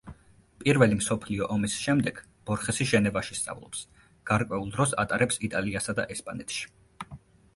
პირველი მსოფლიო ომის შემდეგ ბორხესი ჟენევაში სწავლობს, გარკვეულ დროს ატარებს იტალიასა და ესპანეთში.